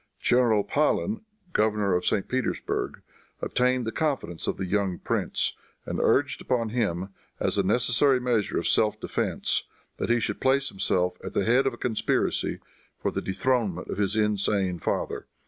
General Pahlen, governor of St. Petersburg, obtained the confidence of the young prince, and urged upon him, as a necessary measure of self defense, that he should place himself at the head of a conspiracy for the dethronement of his insane father.